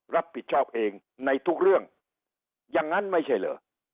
รับผิดชอบเองในทุกเรื่องอย่างนั้นไม่ใช่เหรอ